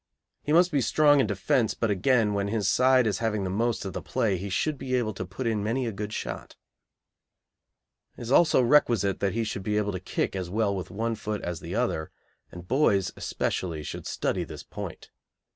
He must be strong in defence, but again, when his side is having the most of the play he should be able to put in many a good shot. It is also requisite that he should be able to kick as well with one foot as the other, and boys especially should study this point.